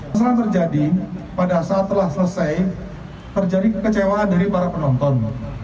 kesalahan terjadi pada saat telah selesai terjadi kekecewaan dari para penonton